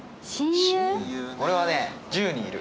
俺はね１０人いる。